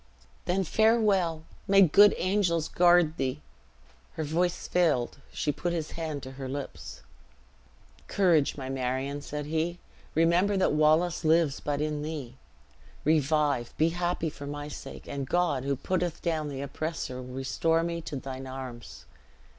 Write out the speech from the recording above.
"Then farewell! May good angels guard thee!" Her voice failed; she put his hand to her lips. "Courage, my Marion," said he; "remember that Wallace lives but in thee. Revive, be happy for my sake; and God, who putteth down the oppressor, will restore me to thine arms."